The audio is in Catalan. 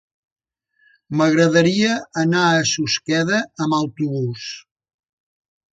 M'agradaria anar a Susqueda amb autobús.